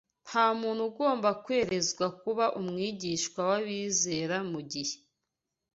Nta muntu ugomba kwerezwa kuba umwigisha w’abizera mu gihe